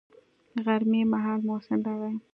غرمې مهال محسن راغى.